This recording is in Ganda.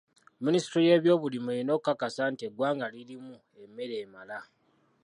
Minisitule y'ebyobulimi erina okukasa nti eggwanga lirimu emmere emala.